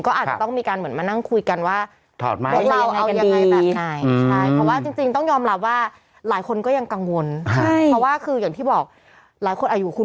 ก็อาจจะต้องมีการเหมือนมานั่งคุยกันว่าเราเอายังไงแบบไหน